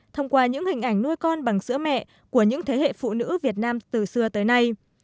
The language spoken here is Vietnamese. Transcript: thông qua những hình ảnh nuôi con bằng sữa mẹ của những thế hệ phụ nữ việt nam từ xưa tới nay